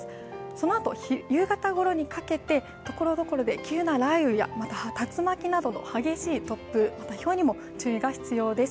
そのあと、夕方ごろにかけてところどころで急な雷雨やまた、激しい竜巻、またひょうにも注意が必要です。